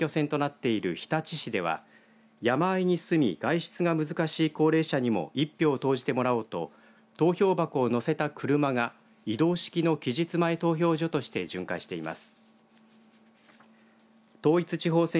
統一地方選挙の後半戦で市長選挙が２４年ぶりの選挙戦となっている日立市では山あいに住み外出が難しい高齢者にも１票を投じてもらおうと投票箱を乗せた車が移動式の期日前投票所として巡回しています。